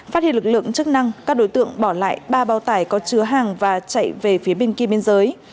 phát hiện lực lượng chức năng các đối tượng bỏ lại ba bao tải có chứa hàng và chạy về phía bên kia biên giới